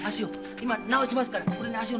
今直しますからこれに足を。